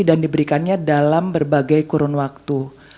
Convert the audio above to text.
diberikannya dalam berbagai kurun waktu